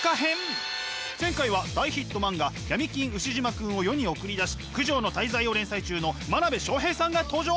前回は大ヒット漫画「闇金ウシジマくん」を世に送り出し「九条の大罪」を連載中の真鍋昌平さんが登場！